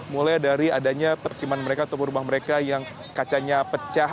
mulai dari adanya perkiman mereka ataupun rumah mereka yang kacanya pecah